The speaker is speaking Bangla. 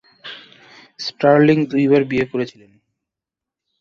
স্টার্লিং দুইবার বিয়ে করেছিলেন।